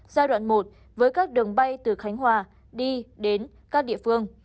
giai đoạn một với các đường bay từ khánh hòa đi đến các địa phương